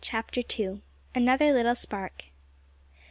CHAPTER TWO. ANOTHER LITTLE "SPARK."